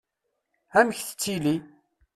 Amek tettili?